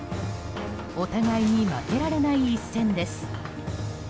お互いに負けられない一戦です。